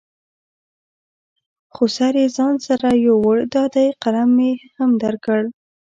خو سر یې ځان سره یوړ، دا دی قلم مې هم درکړ.